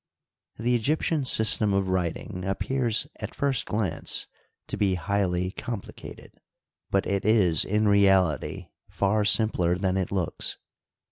The Egyptian system of writing appears at first glance to be highly complicated, but it is in reality far simpler than it looks.